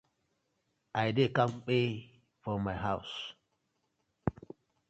I dey kampe for my hawz.